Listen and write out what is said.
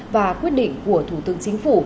và quyết định của thủ tướng chính phủ